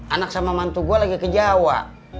anak sama mantu gue lagi ke jawa